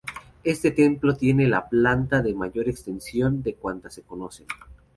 Este templo tiene la planta de mayor extensión de cuantas se conocen.